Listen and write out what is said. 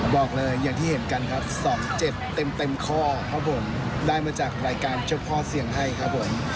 บอกเลยอย่างที่เห็นกันครับ๒๗เต็มข้อครับผมได้มาจากรายการเจ้าพ่อเสี่ยงให้ครับผม